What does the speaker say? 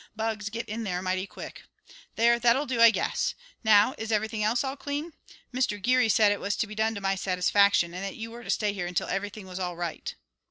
Bugs get in there mighty quick. There, that'll do, I guess. Now, is everything else all clean? Mister Geary said it was to be done to my satisfaction, and that you were to stay here until everything was all right."